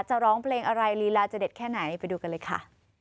ร้องเพลงอะไรลีลาจะเด็ดแค่ไหนไปดูกันเลยค่ะ